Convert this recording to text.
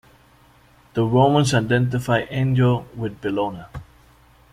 The Romans identified Enyo with Bellona.